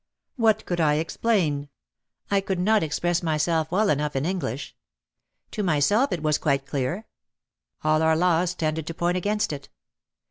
What could I explain? I could not ex 266 OUT OF THE SHADOW press myself well enough in English. To myself it was quite clear. All our laws tended to point against it.